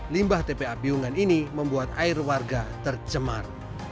limbah tpa piungan ini membuat air warga tercemar